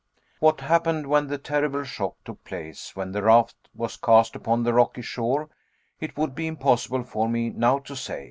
What happened when the terrible shock took place, when the raft was cast upon the rocky shore, it would be impossible for me now to say.